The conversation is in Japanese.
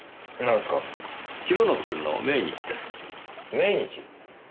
命日？